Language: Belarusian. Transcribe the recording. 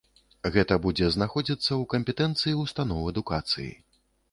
Гэта будзе знаходзіцца ў кампетэнцыі ўстаноў адукацыі.